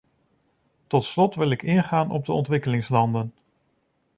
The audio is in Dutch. Tot slot wil ik ingaan op de ontwikkelingslanden.